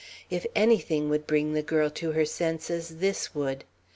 If anything would bring the girl to her senses, this would.